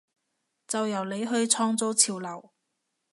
就由你去創造潮流！